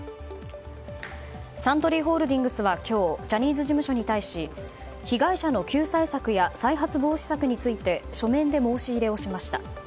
サントリーホールディングスは今日、ジャニーズ事務所に対し被害者の救済策や再発防止策について書面で申し入れをしました。